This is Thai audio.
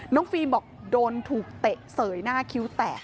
ฟิล์มบอกโดนถูกเตะเสยหน้าคิ้วแตก